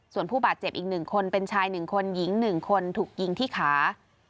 ส่วนผู้บาดเจ็บอีก๑คนเป็นชาย๑คนหญิง๑คนถูกยิงที่ขา